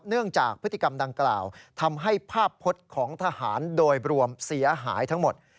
เนื่องจากพฤติกรรมดังกล่าวทำให้ภาพพจน์ของทหารโดยรวมเสียหายทั้งหมด